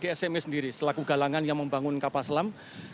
dan juga dari kismis sendiri selaku galangan yang membangun kapal selam